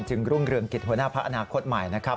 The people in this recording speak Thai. จึงรุ่งเรืองกฤทธิ์หัวหน้าพระอนาคตใหม่นะครับ